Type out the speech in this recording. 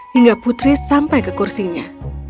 hingga putri sampai ke kursinya